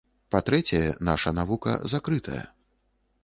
Па-трэцяе, наша навука закрытая.